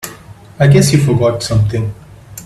I guess you forgot something.